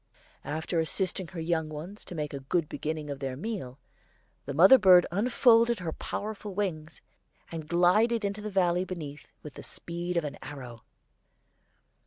After assisting her young ones to make a good beginning of their meal, the mother bird unfolded her powerful wings, and glided into the valley beneath with the speed of an arrow.